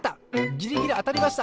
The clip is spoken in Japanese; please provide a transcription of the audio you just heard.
ギリギリあたりました。